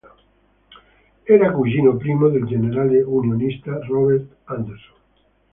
Era cugino primo del generale unionista Robert Anderson.